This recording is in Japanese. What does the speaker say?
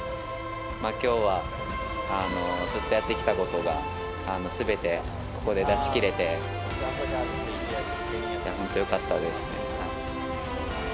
きょうはずっとやってきたことが、すべてここで出しきれて本当、よかったですね。